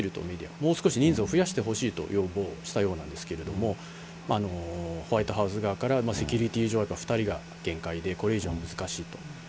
もう少し人数を増やしてほしいと要望したようなんですけれども、ホワイトハウス側から、セキュリティー上２人が限界で、これ以上は難しいと。